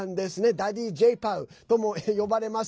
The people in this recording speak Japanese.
ダディー・Ｊ・パウとも呼ばれます。